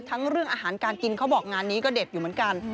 เรื่องอาหารการกินเขาบอกงานนี้ก็เด็ดอยู่เหมือนกัน